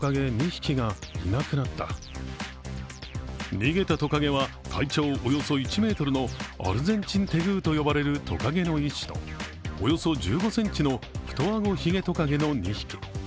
逃げたトカゲは体長およそ１ｍのアルゼンチンテグーと呼ばれるトカゲの一種とおよそ１５ｃｍのフトアゴヒゲトカゲの２匹。